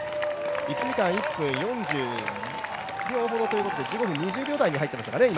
１時間１分４０秒ほどということで１５分２０秒台に入ってましたかね。